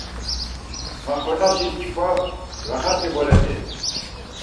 Maxvenesi, çkva raxat̆i voreti?